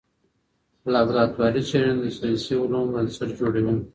لابراتواري څېړني د ساینسي علومو بنسټ جوړوي.